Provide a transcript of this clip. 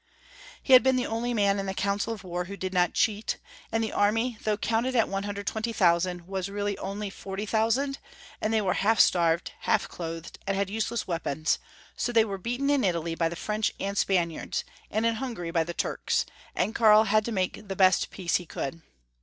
He had been the only man in the Council of War who did not cheat, and the army, though counted at 120,000, was really only 40,000, and they were half starved, half clothed, and had use less weapons, so they were beaten in Italy by the French and Spaniards, and in Hungary by the Turks, and Karl had to make the best peace he could.